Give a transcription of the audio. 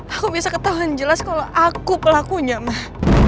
aku bisa ketahuan jelas kalau aku pelakunya mah